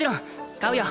買うよ。